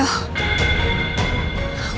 aku gak mau